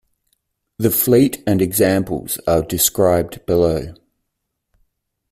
The fleet and examples are described below.